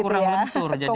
kurang lektor jadinya